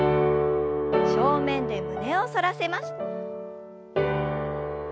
正面で胸を反らせます。